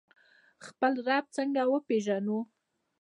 خپل رب څنګه وپیژنو؟